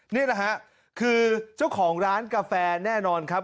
นี่แหละฮะคือเจ้าของร้านกาแฟแน่นอนครับ